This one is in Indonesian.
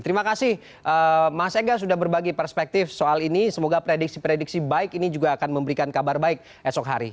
terima kasih mas ega sudah berbagi perspektif soal ini semoga prediksi prediksi baik ini juga akan memberikan kabar baik esok hari